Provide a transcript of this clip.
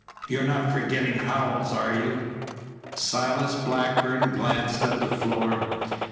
You're not forgetting Howells, are you?" Silas Blackburn glanced at the floor.